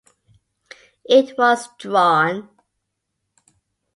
It was drawn.